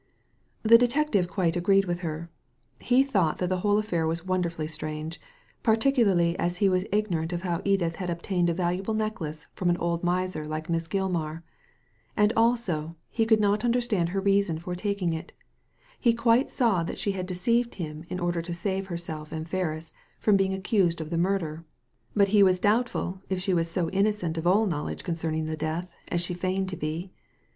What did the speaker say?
The detective quite agreed with her. He thought that the whole affair was wonderfully strange, par ticularly as he was ignorant of how Edith had obtained a valuable necklace from an old miser like Miss Gilmar; and, also, he could not understand her reason for taking it He quite saw that she had deceived him in order to save herself and Ferris from being accused of the murder, but he was doubtful if she was so innocent of all knowledge concerning the death as she feigned to be.